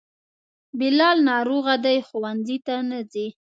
بلال ناروغه دی, ښونځي ته نه ځي